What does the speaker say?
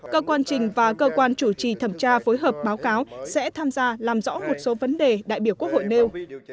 cơ quan trình và cơ quan chủ trì thẩm tra phối hợp báo cáo sẽ tham gia làm rõ một số vấn đề đại biểu quốc hội nêu